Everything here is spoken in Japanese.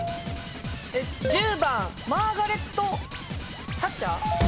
１０番マーガレット・サッチャー。